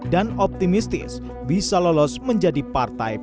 dan optimistis bisa lolos menjadi partai